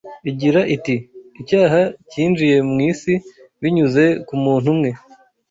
igira iti ‘icyaha cyinjiye mu isi binyuze ku muntu umwe,